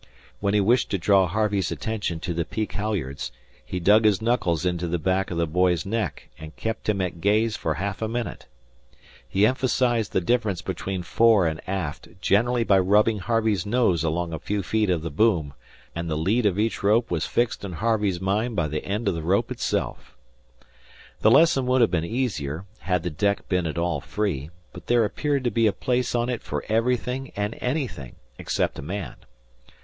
When he wished to draw Harvey's attention to the peak halyards, he dug his knuckles into the back of the boy's neck and kept him at gaze for half a minute. He emphasized the difference between fore and aft generally by rubbing Harvey's nose along a few feet of the boom, and the lead of each rope was fixed in Harvey's mind by the end of the rope itself. The lesson would have been easier had the deck been at all free; but there appeared to be a place on it for everything and anything except a man.